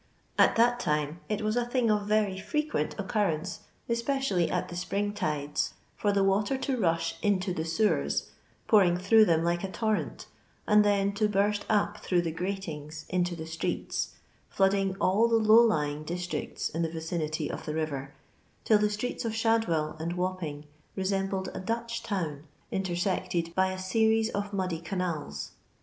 At that time it was a thing of very frequent occurrence, especially at the spring tides, for the water to rush into the sewers, pouring through them like a torrent, and then to burst up through the gratings into the streets, flooding all the low lying districts in the vicinity of the river, till the streets of Shadwell and Wapping resembled a Dutch town, inter sected by a series of muddy canals.